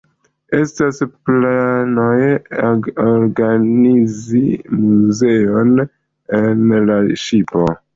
Estas planoj organizi muzeon en la ŝipo.